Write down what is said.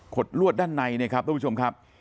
ลวดด้านในเนี่ยครับทุกผู้ชมครับ